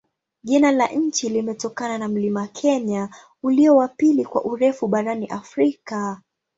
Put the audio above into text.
Jina la nchi limetokana na mlima Kenya, ulio wa pili kwa urefu barani Afrika.